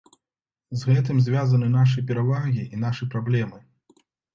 З гэтым звязаны нашы перавагі і нашы праблемы.